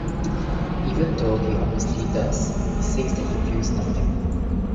Even though he obviously does, he says that he feels nothing.